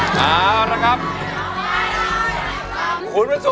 ขอได้ขอได้ขอคิด